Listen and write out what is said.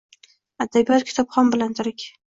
Adabiyot kitobxon bilan tirik.